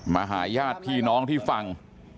มาหายาดพี่น้องที่ฝั่ง